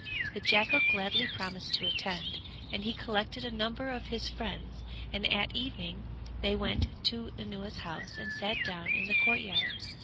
The jackal gladly promised to attend, and he collected a number of his friends and at evening they went to Anuwa's house and sat down in the courtyard.